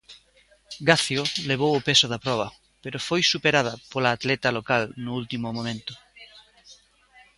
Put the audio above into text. Gacio levou o peso da proba, pero foi superada pola atleta local no último momento.